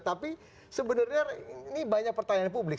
tapi sebenarnya ini banyak pertanyaan publik